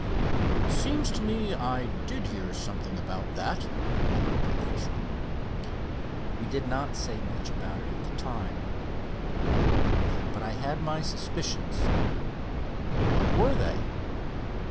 "It seems to me I did hear something about that," replied the official. "We did not say much about it at the time," went on Dave; "but I had my suspicions." "What were they?"